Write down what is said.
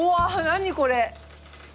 何これ。